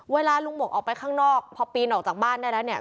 เวลาลุงหมกออกไปข้างนอกพอปีนออกจากบ้านได้แล้วเนี่ย